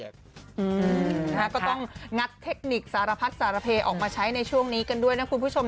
ก็ต้องงัดเทคนิคสารพัดสารเพออกมาใช้ในช่วงนี้กันด้วยนะคุณผู้ชม